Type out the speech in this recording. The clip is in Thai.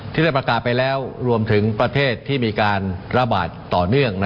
ที่ได้ประกาศไปแล้วรวมถึงประเทศที่มีการระบาดต่อเนื่อง